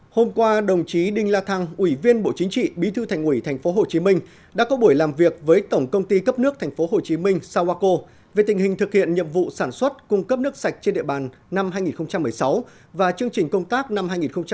hôm qua đồng chí đinh la thăng ủy viên bộ chính trị bí thư thành ủy tp hcm đã có buổi làm việc với tổng công ty cấp nước tp hcm sawako về tình hình thực hiện nhiệm vụ sản xuất cung cấp nước sạch trên địa bàn năm hai nghìn một mươi sáu và chương trình công tác năm hai nghìn một mươi chín